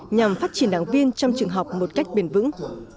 nhằm phát triển đảng viên trong trường học một cách bền vững